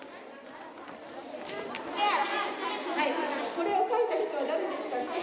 これを書いた人は誰でしたっけ？